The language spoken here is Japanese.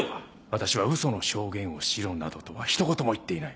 私は嘘の証言をしろなどとは一言も言っていない。